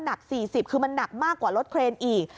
หนัก๔๐คือมันหนักมากกว่ารถเครนอีก